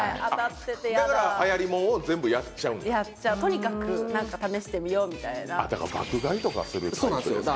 だからはやりもんを全部やっちゃうんだやっちゃうとにかくなんか試してみようみたいなだから爆買いとかするタイプですか？